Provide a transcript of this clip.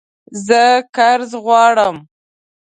زه قرض غواړم